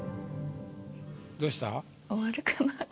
どうした？